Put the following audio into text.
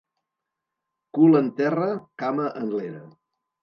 Cul en terra, cama en l'era.